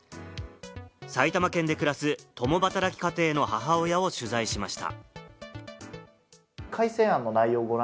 埼玉県で暮らす共働き家庭の母親を取材しました。